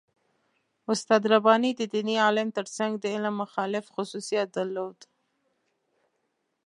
استاد رباني د دیني عالم تر څنګ د علم مخالف خصوصیت درلود.